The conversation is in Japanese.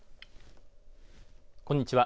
こんにちは。